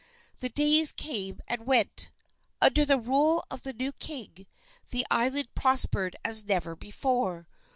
The days came and went. Under the rule of the new king the island prospered as never before.